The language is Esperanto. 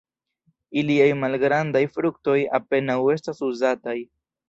Iliaj malgrandaj fruktoj apenaŭ estas uzataj.